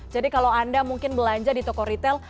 jadi kalau anda mungkin belanja di toko retail